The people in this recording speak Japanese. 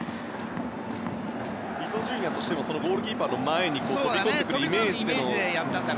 伊東純也としてもゴールキーパーの前に飛び込んでくるイメージで。